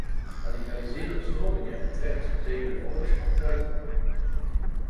Radicaliserende stromingen en trends betekenen voor ons achteruitgang.